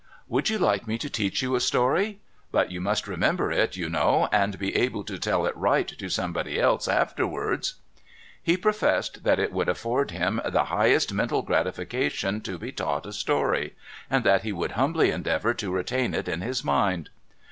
'Would you like me to teach you a story? But you must remember it, you know, and be able to tell it right to somebody else afterwards.' He professed that it would afford him the highest mental gratification to be taught a story, and that he would humbly endeavour to retain it in his mind.